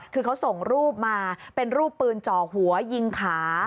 คือเขาส่งรูปมาเป็นรูปปืนจ่อหัวยิงขา